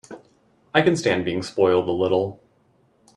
I can stand being spoiled a little.